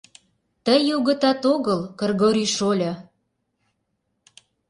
— Тый огытат огыл, Кыргорий шольо.